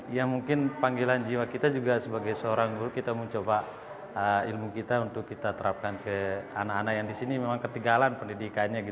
ya mungkin panggilan jiwa kita juga sebagai seorang guru kita mencoba ilmu kita untuk kita terapkan ke anak anak yang di sini memang ketinggalan pendidikannya